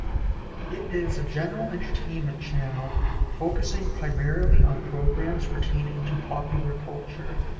It is a general entertainment channel, focusing primarily on programs pertaining to popular culture.